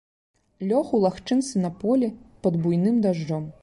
Лёг у лагчынцы на полі, пад буйным дажджом.